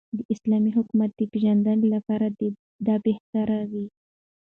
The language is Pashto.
داسلامې حكومت دپيژندني لپاره به دابهتره وي